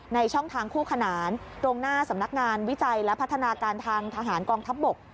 ช่องทางคู่ขนานตรงหน้าสำนักงานวิจัยและพัฒนาการทางทหารกองทัพบก